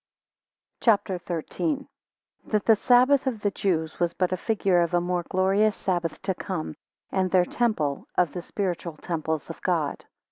CHAPTER XIII. That the sabbath of the Jews was but a figure of a more glorious sabbath to come, and their temple, of the spiritual temples of God.